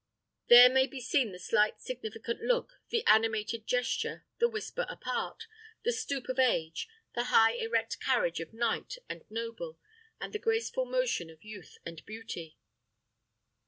There might be seen the slight significant look, the animated gesture, the whisper apart, the stoop of age; the high erect carriage of knight and noble, and the graceful motion of youth and beauty.